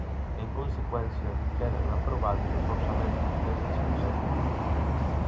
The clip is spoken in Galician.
En consecuencia, quedan aprobados os orzamentos destes consellos.